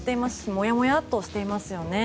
もやもやっとしていますよね。